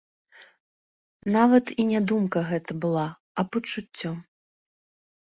Нават і не думка гэта была, а пачуццё.